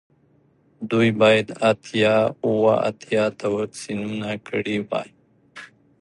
دوی باید اتیا اوه اتیا ته واکسینونه کړي وای